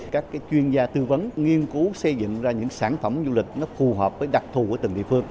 các chuyên gia tư vấn nghiên cứu xây dựng ra những sản phẩm du lịch phù hợp với đặc thù của từng địa phương